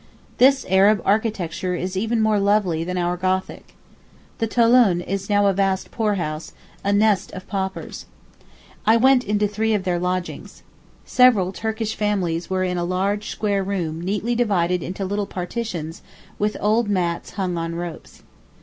This Arab architecture is even more lovely than our Gothic. The Touloun is now a vast poorhouse, a nest of paupers. I went into three of their lodgings. Several Turkish families were in a large square room neatly divided into little partitions with old mats hung on ropes.